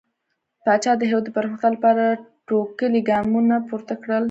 پاچا د هيواد د پرمختګ لپاره ټوکلي ګامونه پورته کړل .